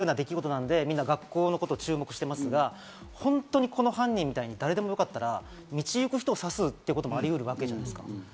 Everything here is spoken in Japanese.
もう一つ、気になってるのは、学校へ侵入したという、シンボリックな出来事なので、学校に皆さん、注目してますが、本当にこの犯人みたいに誰でもよかったら、道行く人を刺すということもあるわけじゃないですか。